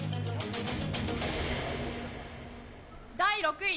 第６位。